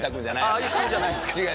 ああいう顔じゃないんですか？